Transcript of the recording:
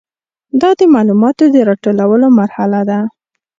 دا د معلوماتو د راټولولو مرحله ده.